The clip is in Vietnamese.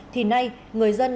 thì nay người dân đã thay đổi